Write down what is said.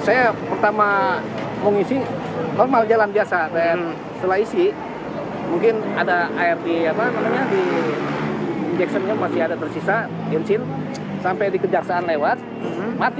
sejumlah pengendara di jaksimnya masih ada tersisa insin sampai dikejaksaan lewat mati